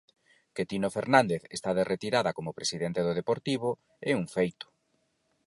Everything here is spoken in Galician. Que Tino Fernández está de retirada como presidente do Deportivo é un feito.